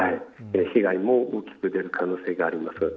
被害も大きく出る可能性があります。